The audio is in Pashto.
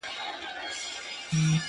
دا کیسه ده زموږ د کور او زموږ د کلي !.